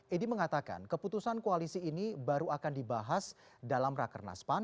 edi mengatakan keputusan koalisi ini baru akan dibahas dalam rakernas pan